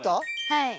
はい。